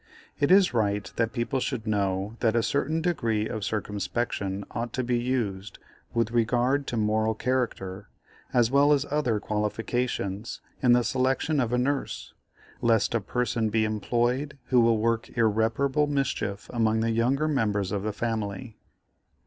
It is right that people should know that a certain degree of circumspection ought to be used, with regard to moral character, as well as other qualifications, in the selection of a nurse, lest a person be employed who will work irreparable mischief among the younger members of the family.